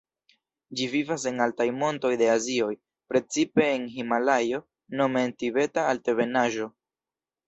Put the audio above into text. Ĝi vivas en altaj montoj de Azio, precipe en Himalajo, nome en Tibeta Altebenaĵo.